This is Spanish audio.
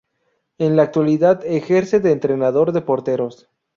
En la actualidad ejerce de Entrenador de porteros.